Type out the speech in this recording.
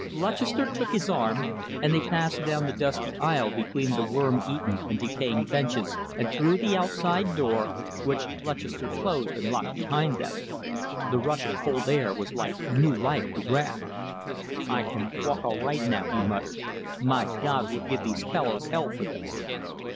Lutchester took his arm, and they passed down the dusty aisle between the worm eaten and decaying benches and through the outside door, which Lutchester closed and locked behind them. The rush of cold air was like new life to Graham. "I can walk all right now," he muttered. "My God, we'll give these fellows hell for this!"